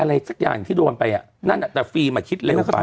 อะไรสักอย่างที่โดนไปอ่ะนั่นอ่ะแต่ฟิล์มอ่ะคิดเร็วไป